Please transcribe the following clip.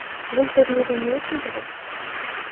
Бул турнир эмне үчүн керек?